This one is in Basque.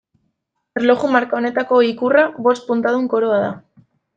Erloju marka honetako ikurra bost puntadun koroa da.